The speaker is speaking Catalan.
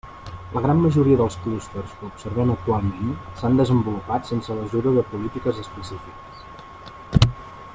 La gran majoria dels clústers que observem actualment s'han desenvolupat sense l'ajuda de polítiques específiques.